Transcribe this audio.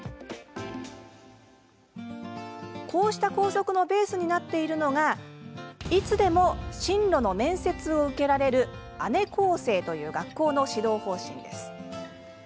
こうした校則のベースになっているのがいつでも進路の面接を受けられる姉高生という学校の指導方針です。